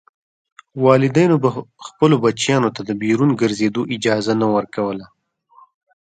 والدینو به خپلو بچیانو ته بیرون د ګرځېدو اجازه نه ورکوله.